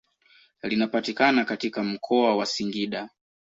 Linapatikana katika mkoa wa Singida.